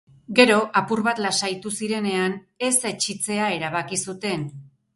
Gero, apur bat lasaitu zirenean, ez etsitzea erabaki zuten.